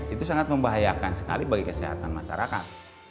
itu sangat membahayakan sekali bagi kesehatan masyarakat